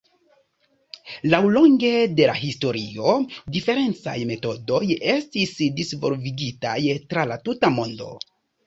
Laŭlonge de la historio, diferencaj metodoj estis disvolvigitaj tra la tuta mondo.